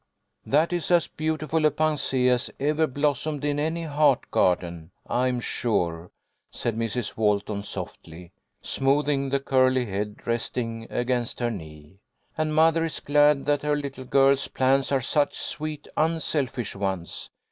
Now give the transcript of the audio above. " That is as beautiful a pensee as ever blossomed in any heart garden, I am sure," said Mrs. Walton, softly, smoothing the curly head resting against her knee, " and mother is glad that her little girl's plans 214 THE LITTLE COLONEL'S HOLIDAYS. are such sweet unselfish ones.